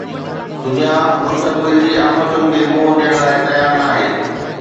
دنيا مستقبل جي آفتن کي منهن ڏيڻ لاءِ تيار ناهي